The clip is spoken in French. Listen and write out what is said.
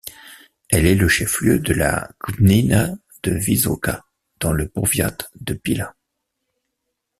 Elle est le chef-lieu de la gmina de Wysoka, dans le powiat de Piła.